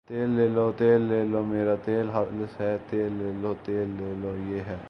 تیل لے لو ، تیل لے لو میرا تیل خالص ھے تیل لے لو تیل لے لو یہ آ